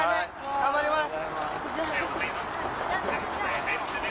頑張ります！